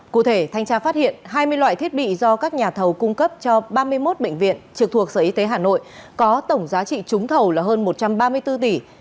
cụ thể thanh tra phát hiện hai mươi loại thiết bị do các nhà thầu cung cấp cho ba mươi một bệnh viện trực thuộc sở y tế hà nội có tổng giá trị trúng thầu là hơn một trăm ba mươi bốn tỷ